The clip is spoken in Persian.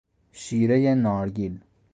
شیرهی نارگیل